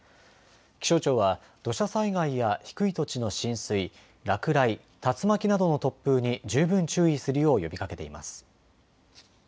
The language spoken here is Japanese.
気象庁は土砂災害や低い土地の浸水、落雷、竜巻などの突風に十分注意するよう呼びかけています。